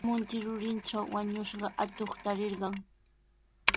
Munti rurintraw wañushqa atuqta tarirqan.